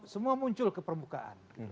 semua muncul ke permukaan